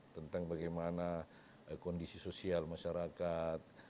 tentang bagaimana kondisi sosial masyarakat